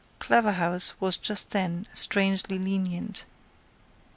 Claverhouse was just then strangely lenient.